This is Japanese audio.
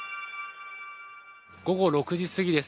午後６時過ぎです。